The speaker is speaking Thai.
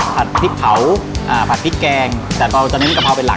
พริกเผาผัดพริกแกงแต่เราจะเน้นกะเพราเป็นหลัก